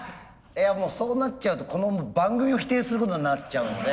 いやもうそうなっちゃうとこの番組を否定することになっちゃうので。